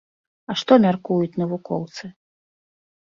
А што мяркуюць навукоўцы?